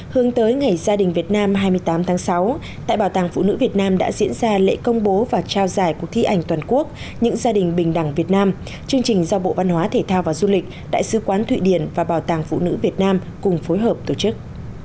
hướng tới ngày gia đình việt nam hai mươi tám tháng sáu tại bảo tàng phụ nữ việt nam đã diễn ra lễ công bố và trao giải cuộc thi ảnh toàn quốc những gia đình bình đẳng việt nam chương trình do bộ văn hóa thể thao và du lịch đại sứ quán thụy điển và bảo tàng phụ nữ việt nam cùng phối hợp tổ chức